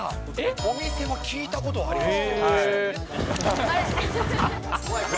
お店は聞いたことあります。